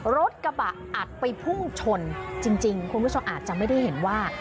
รถกระบะอัดไปพุ่งชนจริงคุณผู้ชมอาจจะไม่ได้เห็นว่า